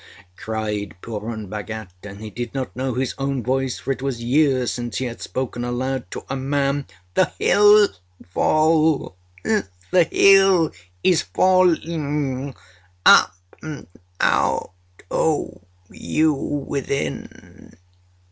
â cried Purun Bhagat; and he did not know his own voice, for it was years since he had spoken aloud to a man. âThe hill falls! The hill is falling! Up and out, oh, you within!